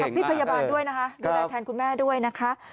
พี่พยาบาลด้วยนะคะดูแลแทนคุณแม่ด้วยนะคะ